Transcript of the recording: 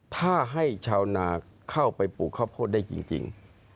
ถ้าให้ชาวนาเข้าไปปลูกข้าวโพดได้จริง